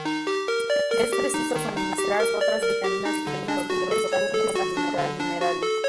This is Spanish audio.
Es preciso suministrar además otras vitaminas hidrosolubles así como minerales.